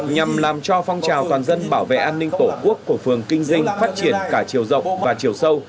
nhằm làm cho phong trào toàn dân bảo vệ an ninh tổ quốc của phường kinh dinh phát triển cả chiều rộng và chiều sâu